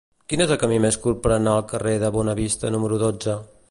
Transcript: Quin és el camí més curt per anar al carrer de Bonavista número dotze?